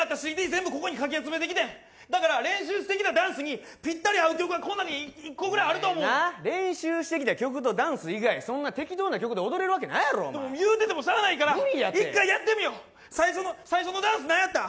全部ここにかき集めてきてんだから練習してきたダンスにピッタリ合う曲がこの中に１個ぐらいあると思う練習してきた曲とダンス以外そんな適当な曲で踊れるわけないやろでも言うててもしゃあないから一回やってみよう最初のダンス何やった？